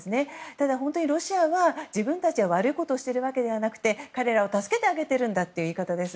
ただ、本当にロシアは自分たちは悪いことをしているのではなくて彼らを助けてあげているという言い方です。